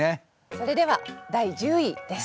それでは第１０位です。